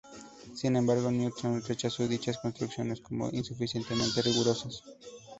Sin embargo, Newton rechazó dichas construcciones como insuficientemente rigurosas.